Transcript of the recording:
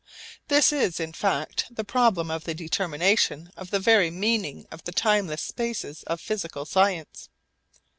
This is in fact the problem of the determination of the very meaning of the timeless spaces of physical science.